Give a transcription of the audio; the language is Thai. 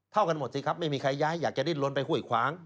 กันหมดสิครับไม่มีใครย้ายอยากจะดิ้นลนไปห้วยขวาง